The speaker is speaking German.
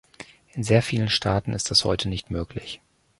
In sehr vielen Staaten ist das heute nicht möglich.